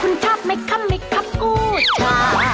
คุณชอบไหมคะมิคับกู้ชา